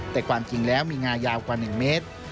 แต่ความจริงแล้วมีงายาวกว่า๑เมตร